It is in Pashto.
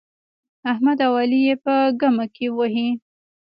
احمد او علي يې په ګمه کې وهي.